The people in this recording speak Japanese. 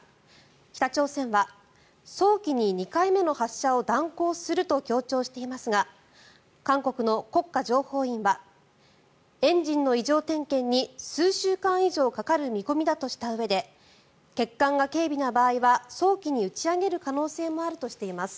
北朝鮮は、早期に２回目の発射を断行すると強調していますが韓国の国家情報院はエンジンの異常点検に数週間以上かかる見込みだとしたうえで欠陥が軽微な場合は早期に打ち上げる可能性もあるとしています。